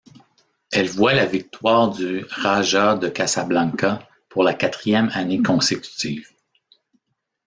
Elle voit la victoire du Raja de Casablanca pour la quatrième année consécutive.